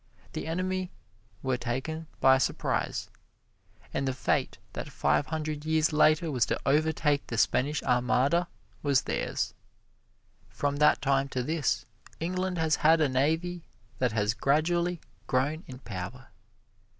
The enemy were taken by surprise, and the fate that five hundred years later was to overtake the Spanish Armada, was theirs. From that time to this, England has had a navy that has gradually grown in power.